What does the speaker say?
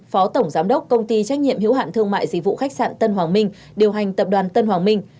phó tổng giám đốc công ty trách nhiệm hiếu hạn thương mại dịch vụ khách sạn tân hoàng minh điều hành tập đoàn tân hoàng minh